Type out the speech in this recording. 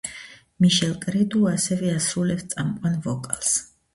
მიშელ კრეტუ ასევე ასრულებს წამყვან ვოკალს.